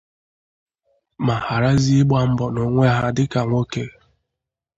ma gharazie ịgba mbọ n'onwe ha dịka nwoke